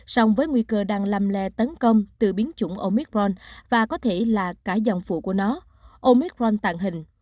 song với nguy cơ đang làm lè tấn công từ biến chủng omicron và có thể là cả dòng phụ của nó omicront tàn hình